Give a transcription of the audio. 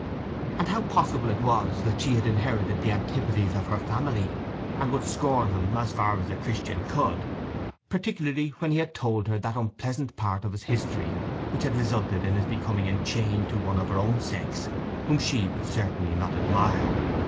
And how possible it was that she had inherited the antipathies of her family, and would scorn him, as far as a Christian could, particularly when he had told her that unpleasant part of his history which had resulted in his becoming enchained to one of her own sex whom she would certainly not admire.